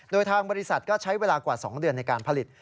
โดยทางบริษัทก็ใช้เวลากว่า๒เดือนในการผลิต